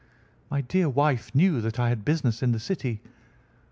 My dear wife knew that I had business in the City.